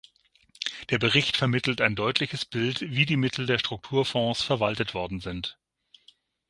Der Bericht vermittelt ein deutliches Bild, wie die Mittel der Strukturfonds verwaltet worden sind.